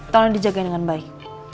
tolong dijagain dengan baik